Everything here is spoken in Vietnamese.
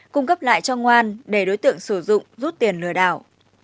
cung cấp lại cho ngoan để đối tượng sử dụng rút tiền lừa đảo